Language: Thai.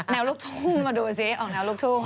ลูกทุ่งก็ดูสิออกแนวลูกทุ่ง